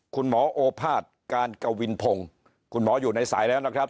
คุณหมอโอภาษการกวินพงคุณหมออยู่ในสายแล้วนะครับ